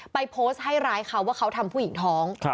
ไปโพสต์ให้ร้ายเขาว่าเขาทำผู้หญิงท้อง